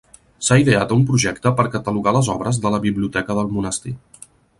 S'ha ideat un projecte per catalogar les obres de la biblioteca del monestir.